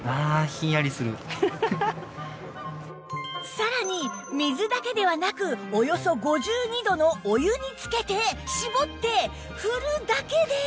さらに水だけではなくおよそ５２度のお湯につけて絞って振るだけで